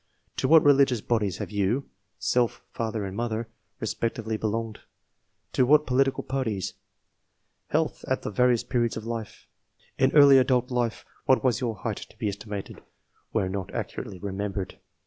To wliat religious bodies have you (self, father and mother) respectively belonged ? To what political parties ? Health at the various periods of life ? In early adult life, what was your height (to be estimated, where not accurately remembered)?